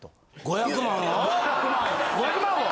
５００万を？